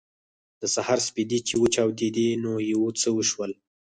د سهار سپېدې چې وچاودېدې نو یو څه وشول